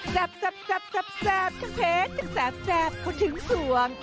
แซ่บทั้งเผชจากแซ่บก็ถึงทวง